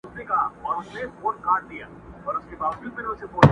نه مېږیانو زده کړه ژبه د خزدکي.!